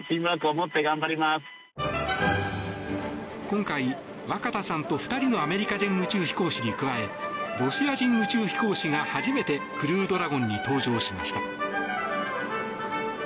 今回、若田さんと２人のアメリカ人宇宙飛行士に加えロシア人宇宙飛行士が初めてクルードラゴンに搭乗しました。